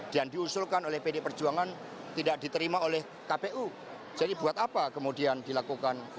yang diusulkan oleh pd perjuangan tidak diterima oleh kpu jadi buat apa kemudian dilakukan